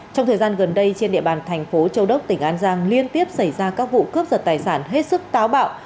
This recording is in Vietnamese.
trong thời gian gần đây trên địa bàn thành phố châu đốc tỉnh an giang liên tiếp xảy ra các vụ cướp giật tài sản hết sức táo bạo